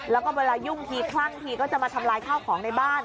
แล้วก็เวลายุ่งทีคลั่งทีก็จะมาทำลายข้าวของในบ้าน